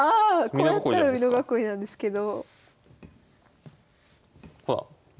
こうやったら美濃囲いなんですけど。